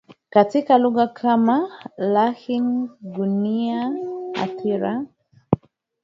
katika lugha kama vile lakhi gunia Athira